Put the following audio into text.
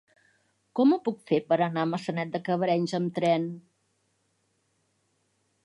Com ho puc fer per anar a Maçanet de Cabrenys amb tren?